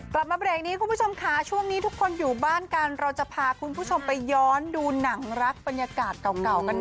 กลับมาเบรกนี้คุณผู้ชมค่ะช่วงนี้ทุกคนอยู่บ้านกันเราจะพาคุณผู้ชมไปย้อนดูหนังรักบรรยากาศเก่ากันหน่อย